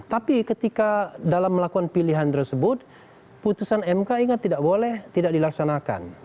tapi ketika dalam melakukan pilihan tersebut putusan mk ingat tidak boleh tidak dilaksanakan